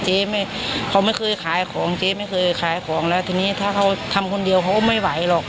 เขาไม่เคยขายของเจ๊ไม่เคยขายของแล้วทีนี้ถ้าเขาทำคนเดียวเขาก็ไม่ไหวหรอก